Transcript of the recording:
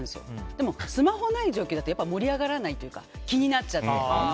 でもスマホがない状況だと盛り上がらないというか気になっちゃって。